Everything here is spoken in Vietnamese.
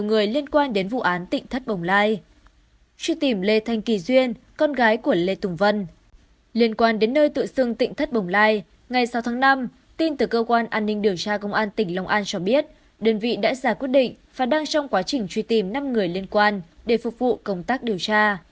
ngày sáu tháng năm tin từ cơ quan an ninh điều tra công an tỉnh long an cho biết đơn vị đã ra quyết định và đang trong quá trình truy tìm năm người liên quan để phục vụ công tác điều tra